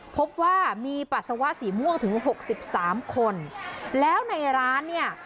พบว่ามีปัสสาวะสีม่วงถึงหกสิบสามคนแล้วในร้านเนี่ย